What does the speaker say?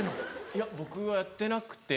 いや僕はやってなくて。